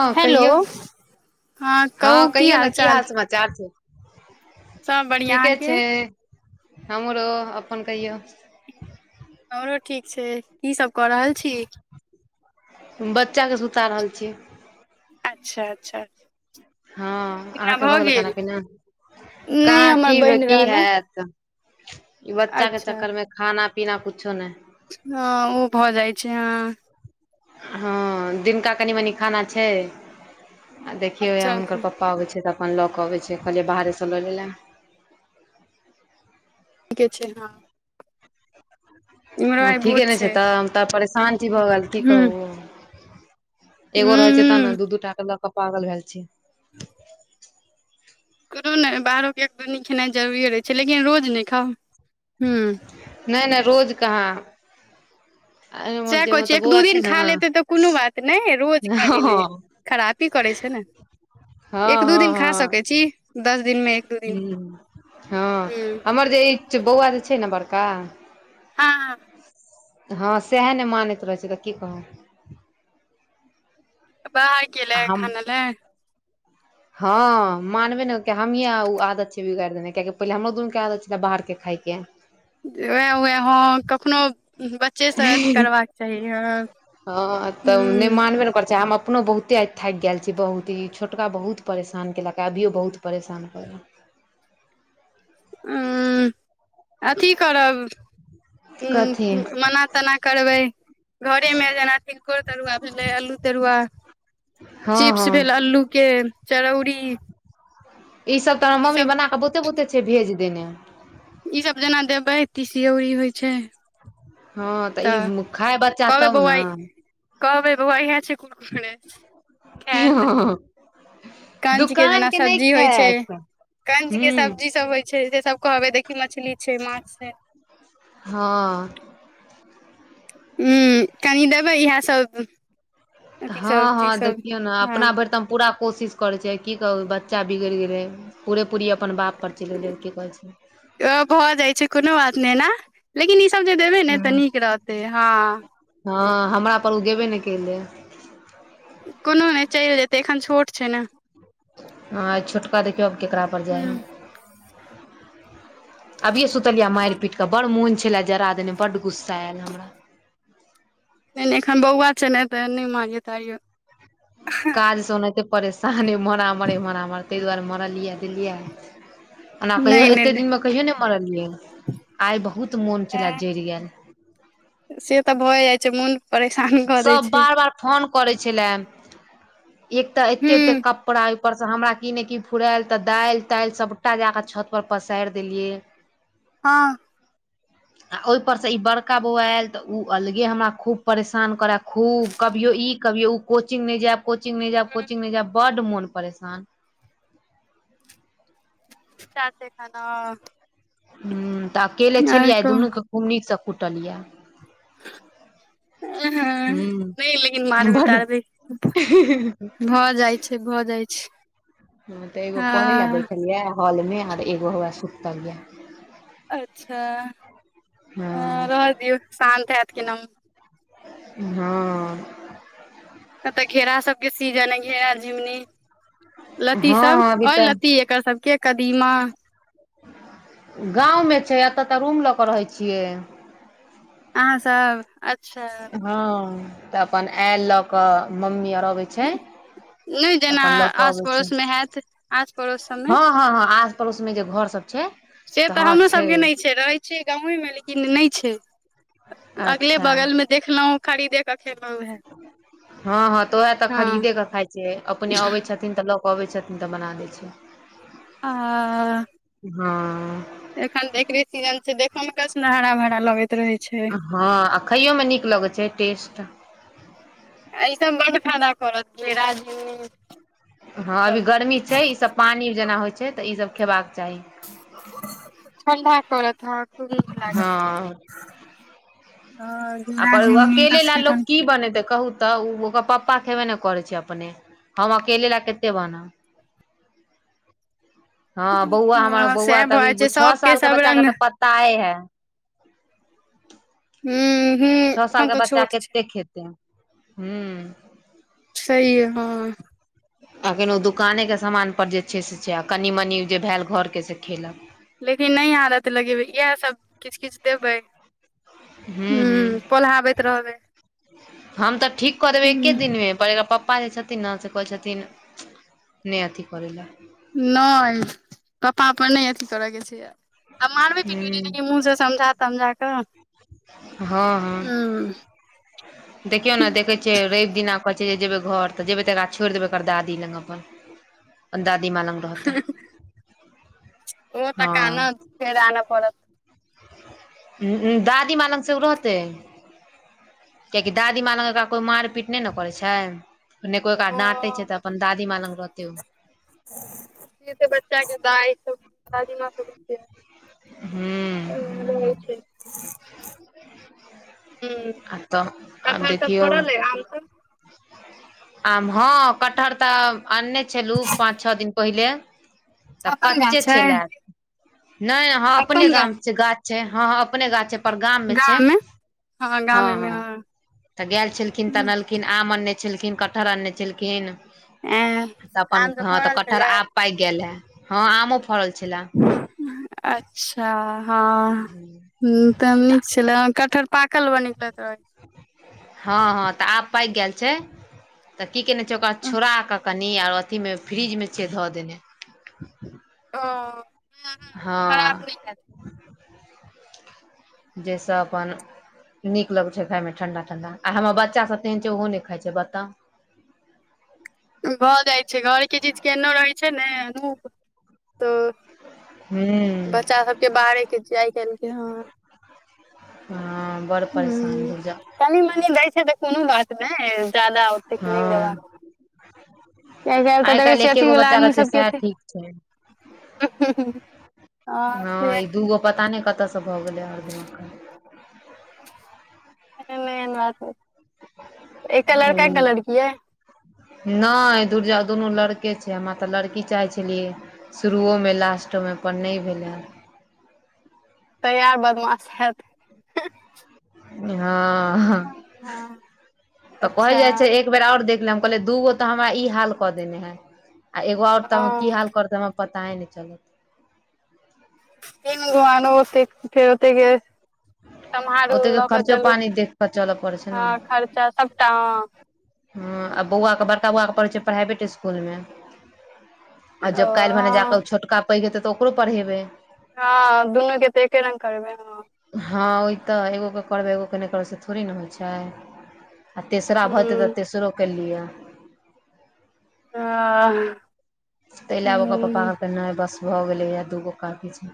हां हेलो कहियौ, हँ हां कहू कहियौ नैय की चाल हाल समा चार छैय, सब बढ़िया ठीके अहाँके छैय। हमरो अपन कहियौ हमरो ठीक छै, की सब कऽ रहल छी, बच्चा सब सुता रहल छी, अच्छा -अच्छा, हँ, खाना अहाँके भऽ गेलै खाना गेल पीना, नहि कहाँ हमर की, बनि की रहल अइ हेत, ई बच्चा के अच्छा चक्कर मे, खाना पीना कुछो नहि, हँ, ओ भऽ जाइ छै, हँ, हँ, दिनका कनि मनि खाना छै, आ देखियौ, य अच्छा अच्छा हुनकर प्पा प आबै छै तऽ, अपन लऽ कऽ अबै छै, कहलियै बाहरेसँ लऽ लेला, ठीके छै, इम्हरो हँ, आइ भोज ठीके ने छै तऽ, तब परेशान छी भऽ गेल, की हुँ कहू, हुँ एगो रहै छै त, त न, हुँ दू दूटा के ल क पागल भेल छी, को नहि, बाहरोके एक दनी खेनाइ जरूरीए रहै छै, लेकिन रोज नहि खाउ, हँ। नहि- नहि, रोज कहाँ, अरे हमर साह जे कहै छि, मतलब एक बौआ दू छै दिन ने खा हँ लेतै तऽ कुनु बात नैए, रोज खा ली नैय, खरापी करै छै ने, एक हँ दू दिन खा सकै छी, दस दिन नै‌ ह, हँ, हमर जे ई बौआ जे छै ने, बड़का, हँ-हँ, हँ सएह नहि मानैत रहै छै, तऽ की कहु, बाहर केला आ हम खान लए, हँ, मानबे ने कि, हमी आदत छै बिगारि देने, कियकि पहिले हमरो दुनू के आदत छलै बाहर के खायके, उएह -उएह ह, कखनो बच्चेसँ अथी हँ, करबाक चाही हँ तऽ नहि हूँ मानबे ने कर छै, हम अपनो बहुत ता थाकि गेल छी बहुत, ई छोटका बहुत परेशान कयलक या, अभियो बहुत परेशान करया, उ, अथी करब, कथी उ, मना तेना करबै, घरे में जेना तिलकोर तरुआ भेलै, अल्लू तरुआ हँ चिप्स हँ भेल अल्लू के, चरौरी ई सब तो मम्मी बना क, बहुते -बहुते छै भेज देने, ईसभ जेना देबै, तीसियौरी होइ छै, हँ, तऽ ई खााय बच्चा कहबै तब बौआ न, कहबै बौआ, इहा छै कुरकुरे, ह कंच के जेना सब्जी होइ छै, खायत कंच के हूं सब्जी सब होइ छै, से सब कहबै, देखी मछली छै, माछ छै, हँ, हूँ, कहि देबै इएह सब, अथी सब चीज हँ-हँ, सब देखियौ ने हँ अपना भरि तऽ हम पूरा कोशिश करै छिय, की कहू, बच्चा बिगड़ि गेलै, पूरे पूरी अपन बाप पर चिइल गेले, कहै छै, ओ भऽ जाइ छै, कोनो बात नहि एना, लेकिन ई सब जे देबै ने तऽ नीक रहतै, हँ। हँ, हमरा पर ओ गेबे नहि केले, कोनो नहि, चैले जेतै, एखन छोट छै ने, ह, छोटका देखियौ आब ककरापर जाइ या, ह अभिेए सुतेलियै मारि पीट क, बड़ मोन छेला जरा देने, बड गुस्सा आयल हमरा, नहि -नहि, एखन बौआ छै ने, तऽ नहि मारियो तारियो, स ओनाहिते परेशानी मरामरेै मरामर तय दुआरे मारलियैयैऽ देलियैयैऽ। ओना कहियो नहि नहि एत्ते दे दिन मे कहियो नय मारलियै। आइ बहुत मोन छलए एह जइर गैऽल। से तऽ भए जाइ छै मन सब बार -बार फोन करै छलय। एक तऽ एत्ते- एत्ते हूँ कपड़ा उपरसँ हमरा की नय की फुरायल तऽ दाइल ताइल सभटा जाकऽ छतपर पसाइर देलियै। हँ- आ ओय पर से ई बड़का बौउआ ऐल त उ अलगे हमरा खूब परेशान शान करै, खूब कभियो ई कभियो ओ कोचिंग नय जैब, कोचिंग नै जैब, कोचिंग नय जैब बड्ड मोन परेशान [unintelligible] हुं तऽ अकेले आर छलियैऽ आय् कहु दुन्नु के खूब नीकसँ कुटलियैऽ। [unintelligible] नय लेकिन मारबै बड तारबै, भऽ जाइ छै, भऽ जाइ छै। ह तऽ एगो पढ़य लय हँ बैठल यैऽहॉल मे आर एगो हयैऽ सुतल यैऽ। अच्छा, हं हँ रह दियौ शान्त हैत केनो। हँ- कतऽ घेरा सबके सीजन अय घेरा झिंगुनी। लत्ती सब हँ अभी अय तऽ लत्ती एकर सबके कदीमा गाँवमे छै एत तऽ रूम लऽ कऽ रहै छियै। अहाँ सब? अच्छा। हँ। तऽ अप्पन ऐल लऽ कऽ, मम्मी आओर अबै छै, नय तऽ जेना अपन लऽ कऽ आस अबै छै पड़ोसमे हैत, आस पड़ोस सबमे हँ- हँ- हँ आस पड़ोस मे जे घर सब छै। से तऽ हमरोसभके नय छै रहै छियै गांवेमे लेकिन नय छै। अगले अच्छा बगल में देखलहुं, खरीदे के खेलहुं। हँ- हँ तऽ उहैऽ तऽ हँ खरीदे के खाइ छियै अपने अबै छथ्- छथिन तऽ लऽ कऽ अबै छथिन तऽ बना दै छै। आ- हँ- एखन त एकरे सीजन छै। देख में कै सुन् हरा- भरा लगैत रहै छै। हँ आ खाइयो मे नीक लगैत छै टेस्ट आ ईसभ बड्ड फायदा करत। घेरा, झिंगुनी हँ अभी सब गर्मी छै ईसभ पानि जेना होइ छै तऽ ईसभ खेबाक चाही। ठण्डा करतऽ, हंं खूब नीक लागत। हँ ह आ घेरा परु झिंगुनी अकेले लय लोक कसकैठन की बनेतै कहू? तऽ उ-ओ ओकर पप्पा खेब्बे ने करै छै अपने हम अकेले लय कत्ते बनाउ। हँ बौआ हमर हँ बौआ सएह भऽ तऽभी जाइ छै छओ सबके साल के सब बच्चाे के रंग त पत्- ताये है। हूं हूं छओ साल एखन के तऽ बच्चा छोट छै कत्ते खेतै? हूं- सहीए, हँ- अखन ओ दुकानेके समानपर जे छै से छै आ कनि मनि जे भैल घरके से खेलक। लेकिन नय आदत लगेबै, इहैऽसब किछ किछ देबै। हूं -हुं- पोल्हाबैत रहबै हम तऽ ठीक क देबै एक्के हूं दिनमे। पर एकर पप्पा जे छथिन ने से कहै छथिन नय अथी करै लय। नय पप्पा पर नय अथी करय के छै। अब मारबे की हूं केली, मुँह से समझा तमझा कऽँ। हँ- हँ। [inaudible] देखियौ ने देखै छियै रवि दिना कहैत छै जेबै घर, तऽ जेबै तऽ एकरा छोड़ि देबै ओ एककर दादी लग अपन। दादी माल लंग। ओ तऽ हँ कानत, फेर आन पड़त। ह, दादी माँ लग से ओ रहतै। कियकि दादी माँ लग, एकरा कोई मार पीट नहि ने करै छै। नई कोई एकरा डटे ओ छै, तऽ अपन दादीमाँ लग रहतै ओ। सेत बच्चाके दाइ सब दादीमाँ सब हूँ आ उ रहै छै। [inaudible] हुँ। आ तऽ आब देखियौ। सब आम, हँ कटहर तऽ आनने छलहु, पाँच छओ दिन पहिले। तऽ अपन गाछ कच्चे छै लए, नहि अपने गाम गाछ छै, ह अपने गाछ छै। गाम मे छै, गाममे हँ- हँ तऽ गेल छलखिन, त अनखिन आ छलखिन कटहर आनने छलखिन, ऐं तऽ अपन आम सब हँ तऽ फड़ल कटहर छलै आब पाइक गेल है, ज हँ आमो फड़ल छलए। अच्छा! हँ। ह तऽ नीक छलै, कटहर पाकल ब निकलैत रहै। हँ- हँ, तऽ आब पाकि गेल छै, तऽ की केने छै, ओकरा छोड़ कऽ। कनि आर अथीमे फ्रिजमे छियै धऽ देने। ओ। हँ। खराब नहि हैत जाहिसँ अपन नीक लगै छै खाायमे ठंडा- ठंडा, आ हमर बच्चा सब तहन छै ओहो नहि खाइ छै बताउ। भऽ जाइत छै, घरके चीज के एनो रहैत छै ने अनूप, तऽ हूँ बच्चा सबके बाहारे के, आइ काल्हिके हँ। हँ बड़ परेशानी धूर जो। कनि मनी दै छै तऽ कोनो बात नहि, ज्यादा ओतेक नहि हँ देबाक कियाकि तऽ आइ देखै काल्हि छियै एके अथी गो वाला बच्चा आदमी रहै छै, सबके सएह एते ठीक छै। हँ हँ, से ई दूगो पता नहि कतऽ से भऽ गेलै, हरदिम के। नहि एन बात बाजू, एकटा लड़का, एकटा लड़की अय? नहि धूरर्जा दुनू लड़के छै, हमरा तऽ लड़की चाहै छलियै। [inaudible] शुरुओमे लास्टोमे पर नहि भेलै। तै आर बदमाश हैत। हँ, हँ तऽ कहै अच्छा जाइ छै, एक एकबेर और देख ले, हम कहले दूगो तऽ हमरा ई हाल क देने है, आ एगो और तऽ की हँ हाल करते। [inaudible] पता नहि चलत। तीन घवानो ओत फेरोते के सम्हारो ओतेक लऽ के खर्चो चलू, पानी देख कऽ चलऽ पड़ै छै ने हँ, खर्चा सबटा हँ। ह, आ बौआके बड़का बौआ के पढ़ै छै, प्राइवेट इसकुल मे। आ ओ जब काल्हि भेने जा कऽ, हँ ओ छोटका पैघ हेतै तऽ ओकरो पढ़ेबै। हँ, दुनूके तऽ एके रङ्ग करबै हम। हँ ओय त एगो क करबै एगो क नहि करबै, से थोड़ी न होइ छय। आ तेसरा भऽ जेतै तऽ हूँ तेसरो क लिय। [unintelligible] तय लए ओकर हूँ पप्पा कहकै नहि, बस भऽ गेलैए दूगो काफी छै।